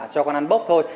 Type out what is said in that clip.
cho con ăn bốc thôi